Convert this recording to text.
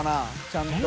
ちゃんと。